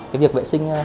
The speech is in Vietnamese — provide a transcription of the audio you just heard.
cái việc vệ sinh